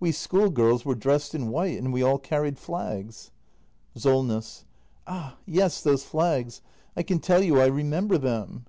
We school girls were dressed in white; and we all carried flags. Solness. Ah yes, those flags — I can tell you I remember them!